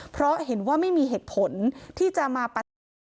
เพราะเห็นว่าไม่มีเหตุผลที่จะมาปะทะ